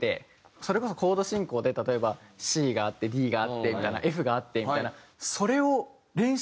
それこそコード進行で例えばＣがあってＤがあってみたいなＦがあってみたいな。